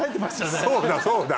そうだそうだ。